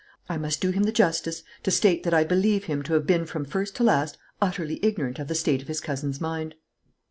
I must do him the justice to state that I believe him to have been from first to last utterly ignorant of the state of his cousin's mind."